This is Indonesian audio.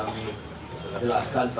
survey atau seperti apa